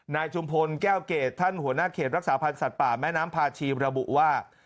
ชุมพลแก้วเกรดท่านหัวหน้าเขตรักษาพันธ์สัตว์ป่าแม่น้ำพาชีระบุว่า